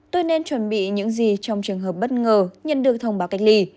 tôi nên chuẩn bị những gì trong trường hợp bất ngờ nhận được thông báo cách ly